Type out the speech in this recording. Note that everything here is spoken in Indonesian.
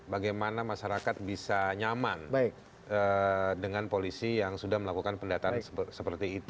bagaimana masyarakat bisa nyaman dengan polisi yang sudah melakukan pendataan seperti itu